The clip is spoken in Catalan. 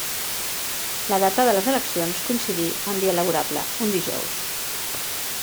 La data de les eleccions coincidí en dia laborable, un dijous.